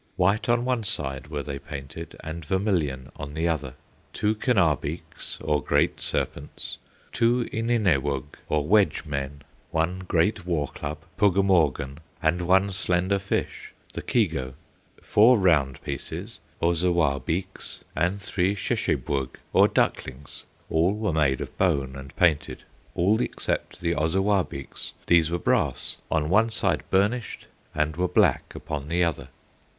White on one side were they painted, And vermilion on the other; Two Kenabeeks or great serpents, Two Ininewug or wedge men, One great war club, Pugamaugun, And one slender fish, the Keego, Four round pieces, Ozawabeeks, And three Sheshebwug or ducklings. All were made of bone and painted, All except the Ozawabeeks; These were brass, on one side burnished, And were black upon the other.